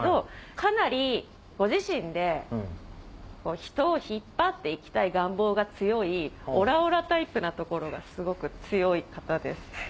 かなりご自身で人を引っ張って行きたい願望が強いオラオラタイプなところがすごく強い方です。